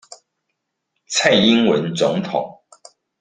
蔡英文總統